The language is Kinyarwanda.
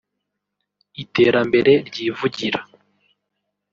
iterambere ryivugira